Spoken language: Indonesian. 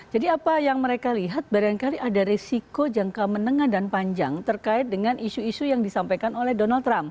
jadi apa yang mereka lihat barangkali ada risiko jangka menengah dan panjang terkait dengan isu isu yang disampaikan oleh donald trump